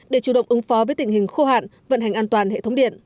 để chủ động ứng phó với tình hình khô hạn vận hành an toàn hệ thống điện